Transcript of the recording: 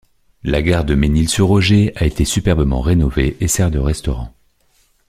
La gare du Mesnil-sur-Oger a été superbement rénovée et sert de restaurant.